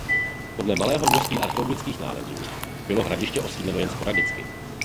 Podle malého množství archeologických nálezů bylo hradiště osídleno jen sporadicky.